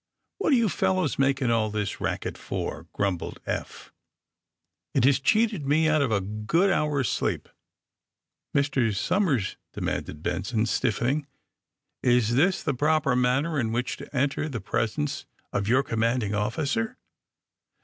What are you fellows making all this racket for!" grumbled Eph. ^^It has cheated me out of a good hour 's sleep !" *^Mr. Somers," demanded Benson, stiffening, is this the proper manner in which to enter the presence of your commanding officer?"